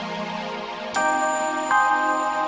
vin gue dikit abu deh